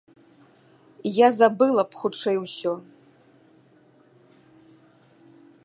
Я забыла б хутчэй усё.